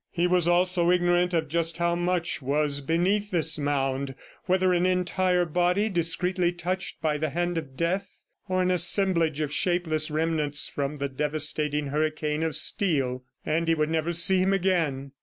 He was also ignorant of just how much was beneath this mound whether an entire body discreetly touched by the hand of Death, or an assemblage of shapeless remnants from the devastating hurricane of steel! ... And he would never see him again!